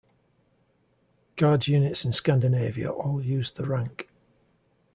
Guards units in Scandinavia all use the rank.